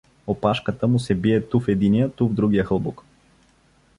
Опашката му се бие ту в единия, ту в другия хълбок.